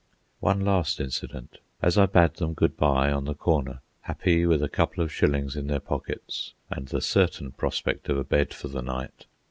One last incident, as I bade them good bye on the corner, happy with a couple of shillings in their pockets and the certain prospect of a bed for the night.